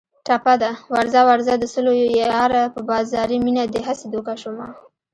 ټپه ده: ورځه ورځه د سلو یاره په بازاري مینه دې هسې دوکه شومه